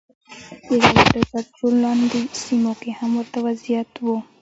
د دولت تر کنټرول لاندې سیمو کې هم ورته وضعیت و.